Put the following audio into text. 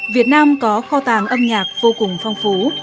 việt nam có kho tàng âm nhạc vô cùng phong phú